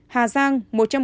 hà giang một trăm bốn mươi sáu